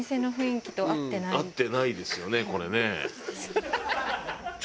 合ってないですよねこれね。